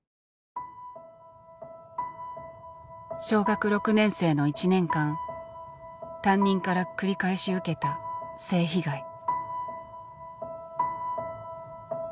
小学６年生の１年間担任から繰り返し受けた性被害。